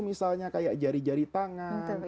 misalnya kayak jari jari tangan